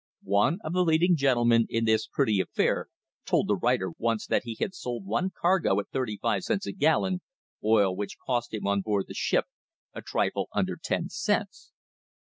One of the leading gentlemen in this pretty affair told the writer once that he had sold one cargo at thirty five cents a gallon, oil which cost him on board the ship a trifle under ten cents.